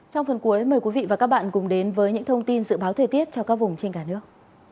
trong phần cuối mời quý vị và các bạn cùng đến với những thông tin dự báo thời tiết cho các vùng trên cả nước